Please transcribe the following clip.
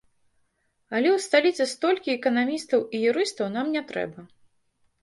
Але ў сталіцы столькі эканамістаў і юрыстаў нам не трэба.